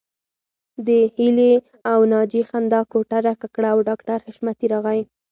د هيلې او ناجيې خندا کوټه ډکه کړه او ډاکټر حشمتي راغی